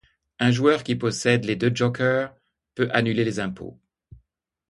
Un joueur qui possède les deux jokers peut annuler les impôts.